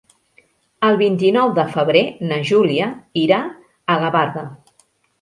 El vint-i-nou de febrer na Júlia irà a Gavarda.